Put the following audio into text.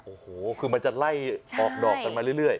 โอ้โหคือมันจะไล่ออกดอกกันมาเรื่อย